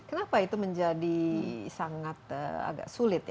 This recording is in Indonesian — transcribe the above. kenapa itu menjadi sangat agak sulit ya